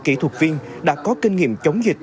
kỹ thuật viên đã có kinh nghiệm chống dịch